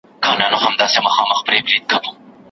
موبايل د کورنۍ او دوستانو ترمنځ اړیکې ټينګې ساتي او ګټور دی.